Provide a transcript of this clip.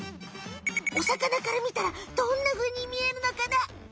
お魚からみたらどんなふうにみえるのかな？